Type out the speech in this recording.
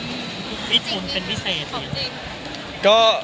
คิดว่าคุณเป็นพี่เศษหรือ